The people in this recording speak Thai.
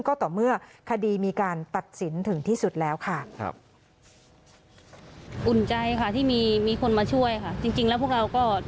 ก็ต่อเมื่อคดีมีการตัดสินถึงที่สุดแล้วค่ะ